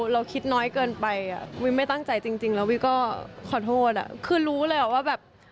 เราคิดน้อยเกินไปวิไม่ตั้งใจจริงแล้ววิก็ขอโทษคือรู้เลยว่าแบบ